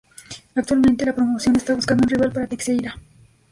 Actualmente, la promoción está buscando un rival para Teixeira.